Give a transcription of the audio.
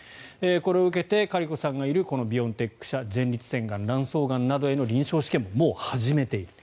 これを受けてカリコさんがいるビオンテック社前立腺がん、卵巣がんなどへの臨床試験ももう始めている。